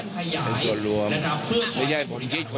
อันนี้จะต้องจับเบอร์เพื่อที่จะแข่งกันแล้วคุณละครับ